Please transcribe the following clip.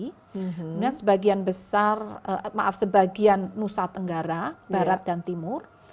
kemudian sebagian besar maaf sebagian nusa tenggara barat dan timur